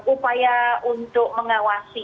upaya untuk mengawasi